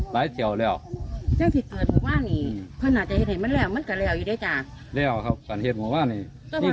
เพราะอะไร